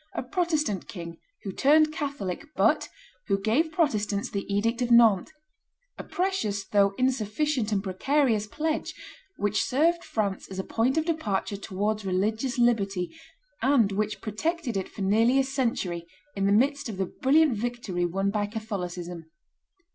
a Protestant king, who turned Catholic, but who gave Protestants the edict of Nantes; a precious, though insufficient and precarious pledge, which served France as a point of departure towards religious liberty, and which protected it for nearly a century, in the midst of the brilliant victory won by Catholicism.